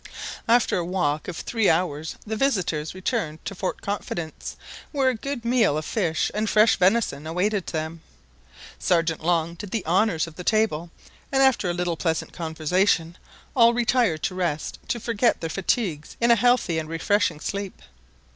After a walk of three hours the visitors returned to Fort Confidence, where a good meal of fish and fresh venison awaited them. Sergeant Long did the honours of the table, and after a little pleasant conversation, all retired to rest to forget their fatigues in a healthy and refreshing sleep.